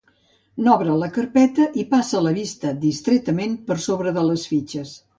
N'obre la carpeta i passa la vista distretament per sobre de les fitxes.